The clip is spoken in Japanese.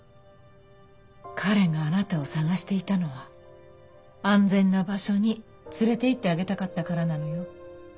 彼があなたを捜していたのは安全な場所に連れていってあげたかったからなのよ。